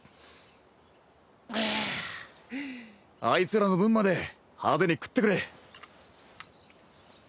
あいつらの分まで派手に食ってくれ！